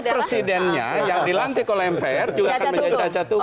presidennya yang dilantik oleh mpr juga akan menjadi cacat tugas